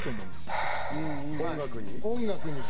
音楽に。